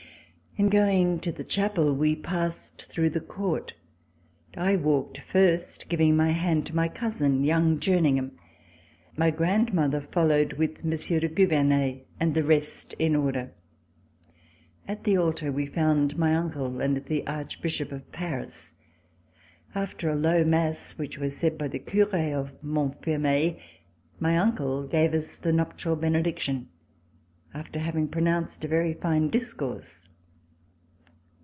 In going to the chapel, we passed through the court. I walked first, giving my hand to my cousin, young Jerningham. My grandmother followed with Monsieur de Gouvernet, and the rest in order. At the altar we found my uncle and the Archbishop of Paris. After a low mass which was said by the Cure of Montfermeil, my uncle gave us the nuptial bene diction after having pronounced a very fine discourse.